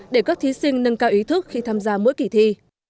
để các thí sinh nâng cao ý thức khi tham gia mỗi kỳ thi